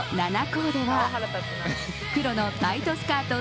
コーデは黒のタイトスカート